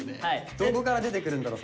どこから出てくるんだろう